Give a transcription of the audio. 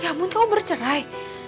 ya ampun kamu bercerai